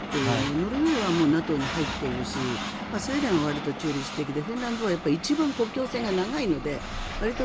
ノルウェーはＮＡＴＯに入っているしスウェーデンはわりと中立的でフィンランドは一番国境線が長いのでわりと